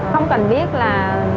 không cần biết là